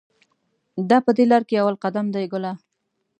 دا په دې لار کې اول قدم دی ګله.